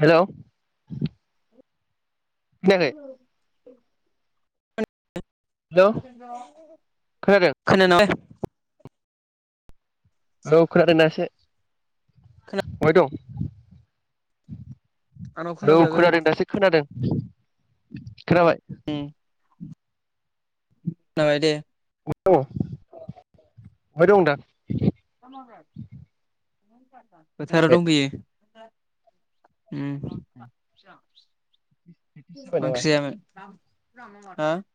Hello खोनायाखै [unintelligible] hello खोनादों [unintelligible] hello खोनादों ना एसे बहाय दं? आंनाव हेलौ खोनाफैयाखै खोनादों दासो खोनादों खोनाबाय उम खोनाबाय दे [unintelligible] फोथाराव खोनायाखै दंफैयो। उम मा ओंख्रि प्रेक्टिस जाबाय नामा जायामोन हो?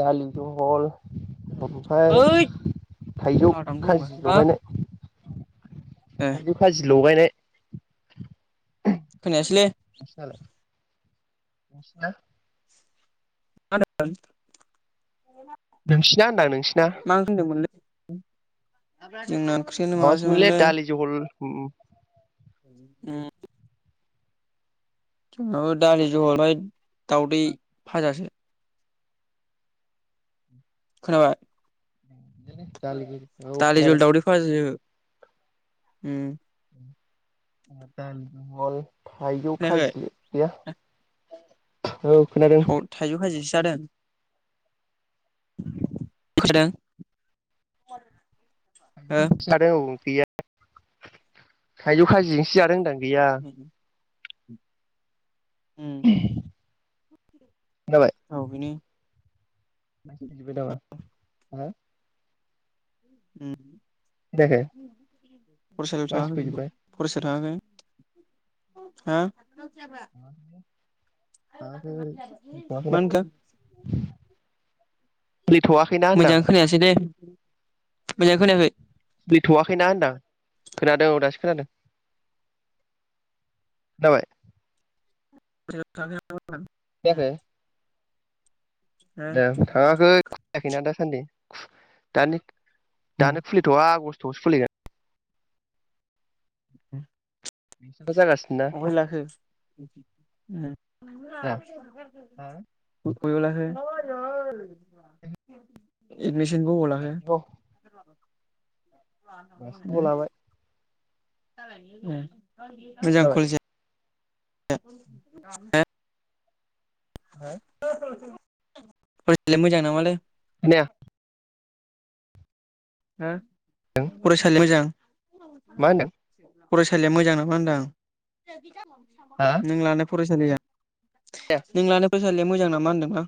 दालि जहल ओमफाय ओइद थाइजौ जादां दंबा खाजि हा लगायनाय। ए थाइजौ खाजि लगायनाय। खोनायासैलै नोंसिनालाय नोंसिना [unintelligible] नोंसिना होनदां नोंसिना मा होनदोंमोनलै जोंना ओंख्रियानो माबासो मोनलै माबासोमोनलै दालि जहल उम उम उम माबा दालि जहल [unintelligible] दावदै फाजासो। खोनाबाय? [unintelligible] दालि जहल दावदै फाजासो उम जोङा दालि जहल थायजौ खोनायाखै खाजि गैया। औ खोनादों। थाइजौ खाजिसो जादों। थाइजौ [unintelligible] हो [unintelligible] गैया। थाइजौ खायजि इसे जादों होनदां गैया उम उम जाबाय औ बेनो दिबो दामा [inaudible] उम खोनायाखै फरायसालिआव मानसि थाङाखै बिबो फैजोब्बाय फरायसालिआव थाङाखै हा मा होनखो [unintelligible] खुलिथ'वाखैना होनदां मोजां खोनायासै दे मोजां खोनायाखै फैथ'वाखैना होनदों खोनादों औ दासो खोनादों दाबाय [inaudible] फैयाखै दे दासान्दि [inaudible] दानि दानो खुलिथ'वा आगष्टआवसो खुलिगोन उम [inaudible] अबाय लाखो ना अला एगनिसिन ब अलााख बासुगाव [inaudible] लाबाय [inaudible] मोजां खोनाबाय कलेज आ ए [inaudible] हो फ मोजां न मालाय [inaudible] खोनाया हो फरायसालिआ मोजां मा होनदों फरायसालिआ मोजांनामा होनदां हा नों लानो फरायसालिया खोनाया नों लानाय फरायसालिया मोजां नामा होनदांलां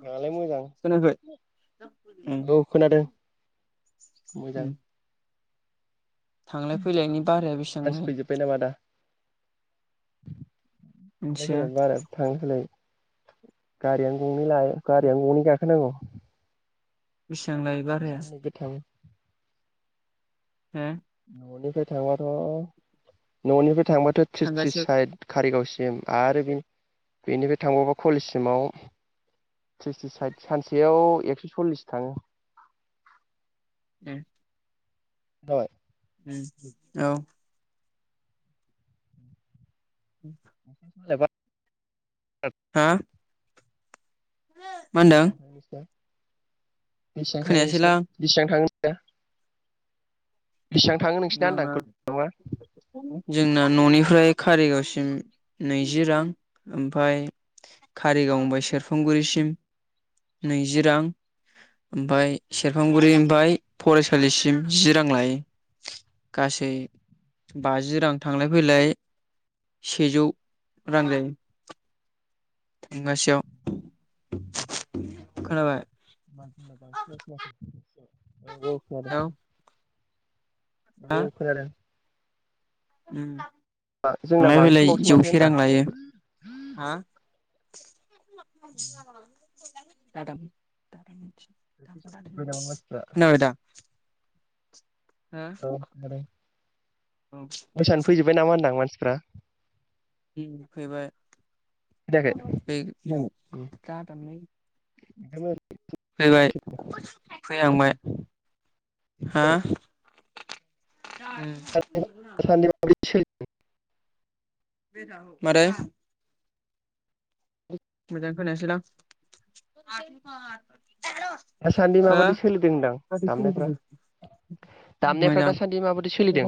मोजाङालाय मोजां खोनायाखै औ खोनादों मोजां थांलाय फैलायनि बाराया बेसेबां मानसि लायो बास मिथिया बाराया थांसलाय [inaudible] गारियानो गंनै लायो गारियानो गंनै गाखोनांगौ बेसेबां लायो बाराया थों हो न'निफ्राय थांबाथ' न'निफ्राय थांबाथ' थ्रिस थ्रिस थांगासे औ साइड कारिगावसिम आरो बे बेनिफ्राय थांबावबा कलेजसिमाव थ्रिस थ्रिस सानसेयाव एकस' सल्लिस थाङो ए जाबाय औ उम बा [inaudible] हा मा होनदों बेसेबां थाडों नोंसोरना? बेसिबां थांडों नोंसिना खोनायासैलां बेसेबां थांडों नोंसिना? जोंना बा। जोंना न'निफ्राय कारिगावसिम नैजि रां ओमफ्राय। कारिगाव निफ्राय सेरफांगुरिसिम नैजि रां। ओमफ्राय सेरफांगुरिनिफ्राय फरायसालि जि रां लायो। गासै बाजि रां थांलाय फैलाय। सेजौ रां लायो। थांगासेयाव खोनाबाय? मानसिना बांसिन खाथ औ औ खादों। औ खोनादों। ओम जोंना थांलाय फैलाय बांसिनबावसो माथो जौसे रां होनदां लायो। हा। [unintelligible] [unintelligible] खोनाबाय दा हो औ खोनादों। औ। मोसानानो फैजोबबाय नामा होनदां मानसिफ्रा। ओम फैबाय। खोनायाखै [unintelligible] [unintelligible] फैबाय दासान्दि फैहांबाय हा। [unintelligible] सोलिदों। मारै। मोजां खोनायासैलां। दासान्दि हो माबायदि सोलिदों होनदां दामनायफ्रा। दामनायफ्रा मोजां दासान्दि सोलिदों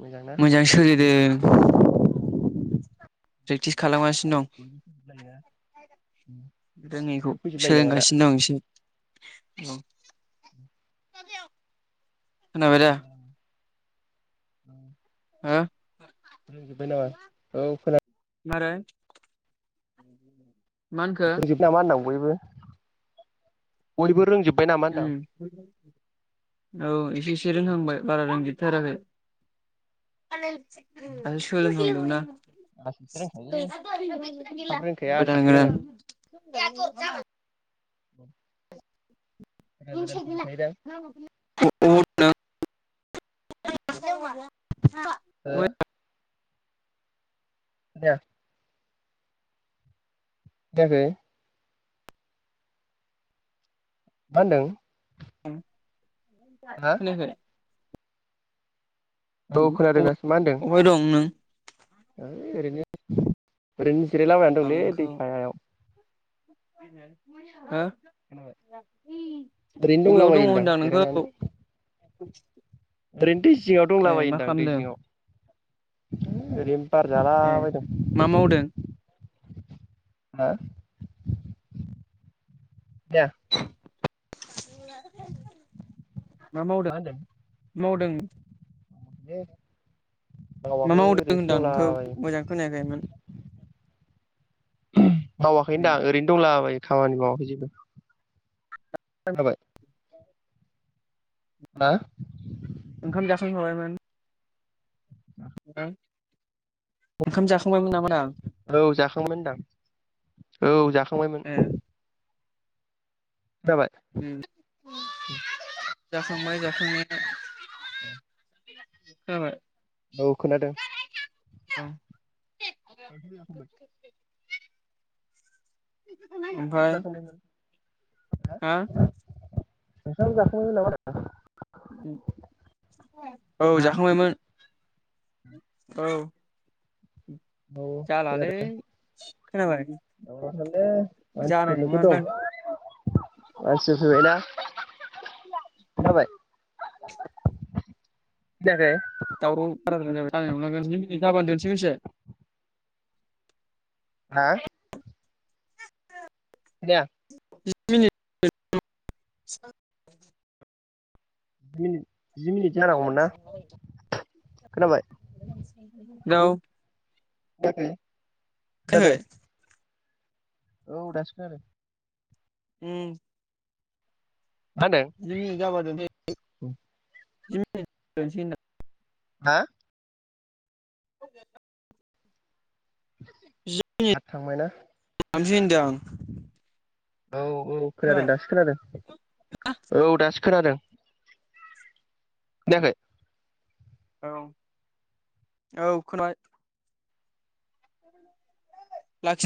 मोजां? ना सोलिदों प्रेकटिस खालामगासिनो बयबो दं। रोङैखौ फैजोबलायो नामा दा सोलोंगासिनो दं एसे। औ खोनबायदा? [inaudible] ओ। फोरोंजोबबाय नामा औ। मारै। मा होनखो? रोंजोबबाय नामा होनदां बयबो। बयबो रोंजोबबाय नामा उम होनदां? औ एसे- एसे रोंहांबाय बारा रोंजोबथाराखै। दासो सोलों हांदोंना। आसैसो रोंखायोलै थाब रोंखाया गोदान आसैसो रोंलाङो गोदान। गोदान गोदान फैबाय थायो दां। अबाव दं हो। नों खोनाया। [unintelligible] मा होनदों हा खोनायाखै औ खोनादों दास मा होनदों? अहाय दं नों? है ओरैनो ओरैनो जिरायलाबायनानै आं दंलै नोंखौ दै सायहायाव। हो खोनाबाय ओरैनो दंलाबायो अबेयाव दङ होनदां होन्दां नोंखौ जिरायनानै ओरैनो दैजिंआव दंला ए बायो मा होनदां खालामदों दैजिंआव ओरैनो बार ए जालाबायदों मा मावदों? हा [unintelligible] मा मावदों मावदों [inaudible] मा मावाखै मावदों ओरैनसो होनदां नोंखौ दंलाबायो मोजां खोनायाखैमोन मावाखै ए होनदां ओरैनो दंलाबायो खामानि मावाखै जेबो [unintelligible] हा ओंखाम जाखांखाबायमोन ओंखाम जाखांबायमोन [unintelligible] औ जाखांमोनदां औ जाखांबायमोन ए जाबाय उम जाखांबाय जाखांनाया उ खोनाबाय औ खोनादों [unintelligible] मा ओंख्रि [unintelligible] ओमफ्राय जाखांबायमोन हा ओंखाम जाखांबाय नामा [unintelligible] औ हा जाखांबायमोन औ औ जालालै खोनाबाय दावरावथारलै मानसिफोर जानाय नोगोद दं नङादां मानसिफोर फैबायना खोनाबाय खोनायाखै दाउराव बाराद्राय [unintelligible] हा खोनाया [inaudible] जि मिनिट जि मिनिट जानांगौमोन ना खोनाबाय [inaudible] [unintelligible] खोनादों खोनायाखै औ दासो खोनादों उम मा होनदों जि मिनित जाबा दोनसै जि मिनिट जाबा दानसै होनदां हा [unintelligible] आद थांबायना [unintelligible] होनदां औ औ खोनादों खोनाबाय दासो खोनादों औ दासो खोनादों। खोनायाखै औ औ खोमा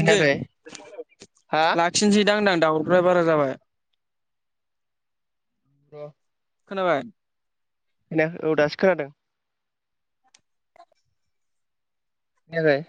खोनायाखै हा लाखिनोसैहोनदां दावरग्रा बारा जाबाय र खोनाबाय [unintelligible] औ दासो खोनादों खोनायाखै